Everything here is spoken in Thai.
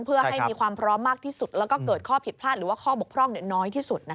เพื่อให้มีความพร้อมมากที่สุดแล้วก็เกิดข้อผิดพลาดหรือว่าข้อบกพร่องน้อยที่สุด